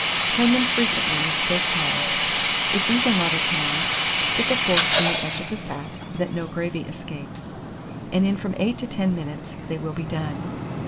Turn them frequently with steak tongs (if these are not at hand, stick a fork in the edge of the fat, that no gravy escapes), and in from 8 to 10 minutes they will be done.